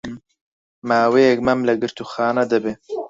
ماوەیەک مەم لە گرتووخانە دەبێ